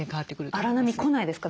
荒波来ないですか？